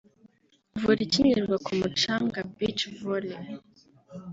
Volley ikinirwa ku mucanga (Beach Volley)